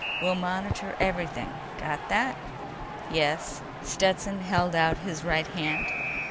We'll monitor everything. Got that?" "Yes." Stetson held out his right hand.